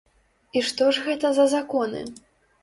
І што ж гэта за законы?